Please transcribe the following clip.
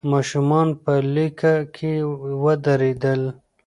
ماشومان په لیکه کې ودرېدل.